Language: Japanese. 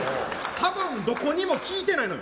たぶん、どこにも効いてないのよ。